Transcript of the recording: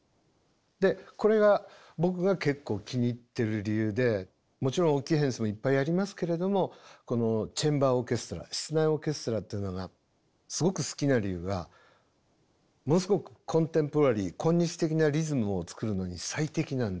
でこれが僕が結構気に入ってる理由でもちろん大きい編成もいっぱいやりますけれどもこのチェンバーオーケストラ室内オーケストラっていうのがすごく好きな理由がものすごくコンテンポラリー今日的なリズムを作るのに最適なんですね。